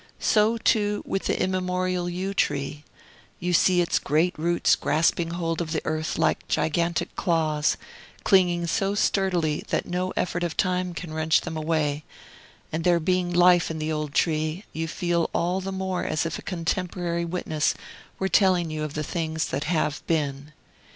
So, too, with the immemorial yew tree: you see its great roots grasping hold of the earth like gigantic claws, clinging so sturdily that no effort of time can wrench them away; and there being life in the old tree, you feel all the more as if a contemporary witness were telling you of the things that have been.